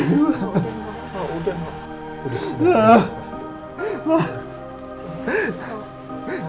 oh udah pak